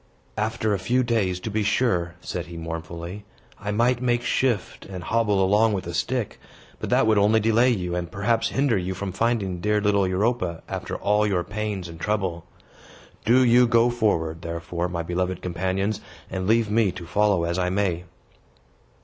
"After a few days, to be sure," said he, mournfully, "I might make shift to hobble along with a stick. But that would only delay you, and perhaps hinder you from finding dear little Europa, after all your pains and trouble. Do you go forward, therefore, my beloved companions, and leave me to follow as I may."